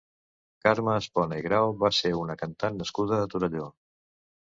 Carme Espona i Grau va ser una cantant nascuda a Torelló.